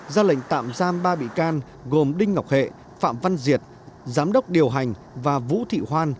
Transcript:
ra lệnh tạm giam ba bị can gồm đinh ngọc hệ phạm văn diệt giám đốc điều hành và vũ thị hoan